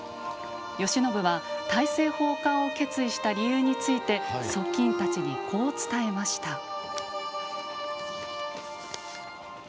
慶喜は大政奉還を決意した理由について側近たちに、こう伝えました。